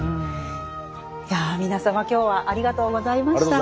いや皆様今日はありがとうございました。